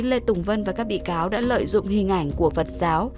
lê tùng vân và các bị cáo đã lợi dụng hình ảnh của phật giáo